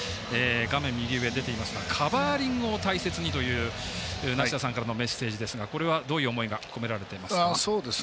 画面右上出ていますが「カバーリングを大切に」という梨田さんからのメッセージですがこれはどういう思いが込められていますか？